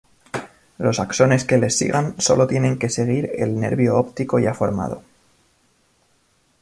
Los axones que les sigan solo tienen que seguir el nervio óptico ya formado.